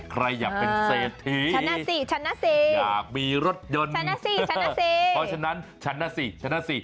ใครอยากเป็นเศรษฐีอยากมีรถยนต์เพราะฉะนั้นฉันน่ะสิฉันน่ะสิ